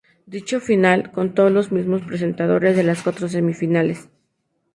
Dicha final contó con los mismos presentadores de las cuatro semifinales.